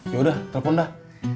yaudah telepon dah